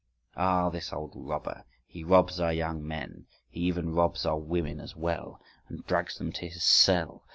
… Ah, this old robber! He robs our young men: he even robs our women as well, and drags them to his cell.